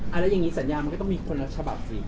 แล้วอย่างนี้สัญญามันก็ต้องมีคนละฉบับสิ